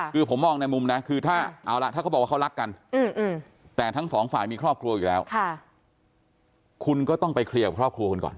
คือผมมองในมุมนะคือถ้าเอาล่ะถ้าเขาบอกว่าเขารักกันแต่ทั้งสองฝ่ายมีครอบครัวอยู่แล้วคุณก็ต้องไปเคลียร์กับครอบครัวคุณก่อน